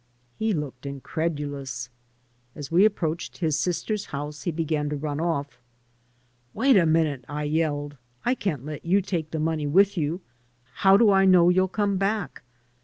He looked incredulous. As we approached his sister's house he began to run off. " Wait a minute," I yelled. "I can't let you take the money with you. How do I know you'll come back?"